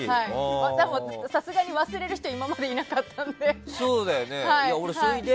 さすがに忘れる人が今までにいなかったので。